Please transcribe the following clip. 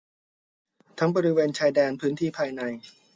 ทั้งบริเวณชายแดน พื้นที่ภายใน